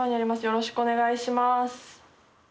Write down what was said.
よろしくお願いします。